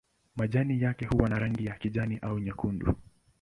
Majani yake huwa na rangi ya kijani au nyekundu.